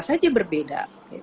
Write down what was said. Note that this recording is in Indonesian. bisa saja berbeda